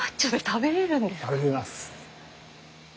食べれます。